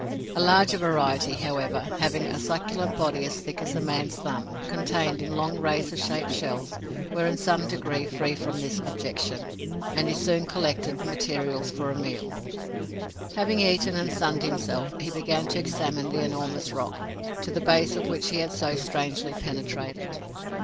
A larger variety, however, having a succulent body as thick as a man's thumb, contained in long razor shaped shells, were in some degree free from this objection, and he soon collected the materials for a meal. Having eaten and sunned himself, he began to examine the enormous rock, to the base of which he had so strangely penetrated.